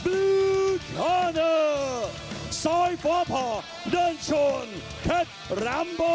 อืมนี่